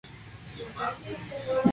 Se hallan escasamente habitadas.